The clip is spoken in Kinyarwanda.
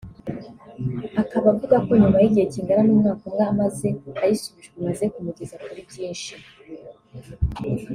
Akaba avuga ko nyuma y’igihe kingana n’umwaka umwe amaze ayisubijwe imaze kumugeza kuri byinshi